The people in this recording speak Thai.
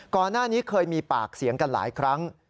ก่อนหน้านี้เคยมีปากเสียงกันหลายครั้ง